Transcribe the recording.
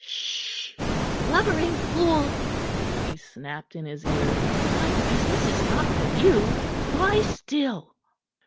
"Sh! You blubbering fool!" he snapped in his ear. "My business is not with you. Lie still!"